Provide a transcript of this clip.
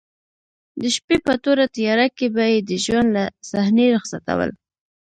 د شپې په توره تیاره کې به یې د ژوند له صحنې رخصتول.